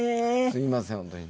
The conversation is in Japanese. すいません本当にね。